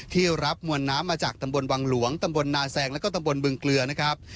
ที่รับมวลน้ำมาจากตำบลวังหลวงตำบลนาแซงแล้วก็ตำบลบึงเกลือนะครับ